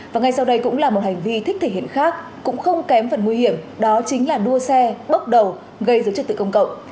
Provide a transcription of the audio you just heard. và ngay sau đây cũng là một hành vi thích thể hiện khác cũng không kém phần nguy hiểm đó chính là đua xe bốc đầu gây dấu trật tự công cộng